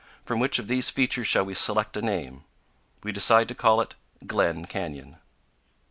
From which of these features shall we select a name? We decide to call it Glen Canyon.